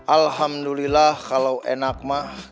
alhamdulillah kalau enak mah